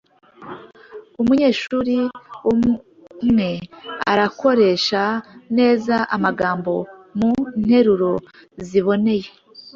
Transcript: Umunyeshuri umwumwe arakoresha neza amagambo mu nteruro ziboneye